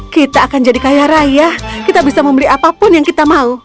kita akan jadi kaya raya kita bisa membeli apapun yang kita mau